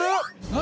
何？